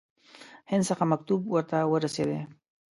هند څخه مکتوب ورته ورسېدی.